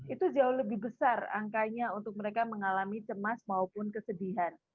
itu jauh lebih besar angkanya untuk mereka mengalami cemas maupun kesedihan